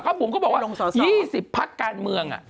บุ๋มก็บอกว่า๒๐พักการเมือง